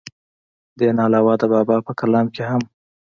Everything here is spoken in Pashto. دې نه علاوه د بابا پۀ کلام کښې هم